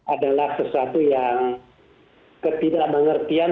adalah sesuatu yang ketidakmengertian